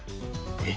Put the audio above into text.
えっ？